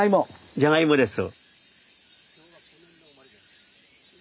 じゃがいもです。